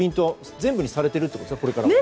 全部にされているということですかね。